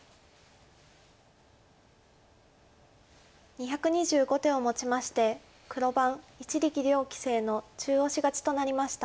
２２５手をもちまして黒番一力遼棋聖の中押し勝ちとなりました。